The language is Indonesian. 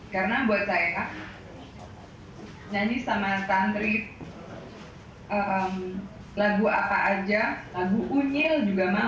karena buat saya nyanyi sama tantri lagu apa aja lagu unyil juga mau